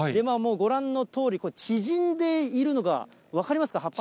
ご覧のとおり、縮んでいるのが分かりますか？